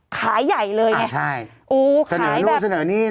ขายใหญ่เลยเนี่ยโอ้ขายแบบเสนอโน้นเสนอนี่